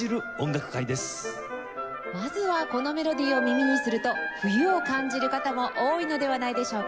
まずはこのメロディーを耳にすると冬を感じる方も多いのではないでしょうか。